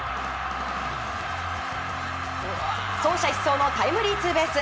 走者一掃のタイムリーツーベース。